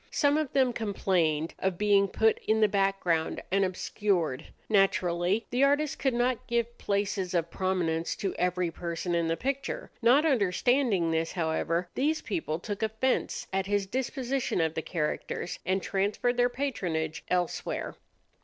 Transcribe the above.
Some of them complained of being put in the background and obscured. Naturally, the artist could not give places of prominence to every person in the picture. Not understanding this, however, these people took offence at his disposition of the characters, and transferred their patronage elsewhere.